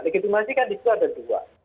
legitimasi kan di situ ada dua